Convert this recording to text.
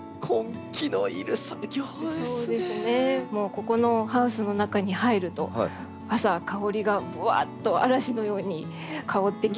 ここのハウスの中に入ると朝香りがぶわっと嵐のように香ってきまして。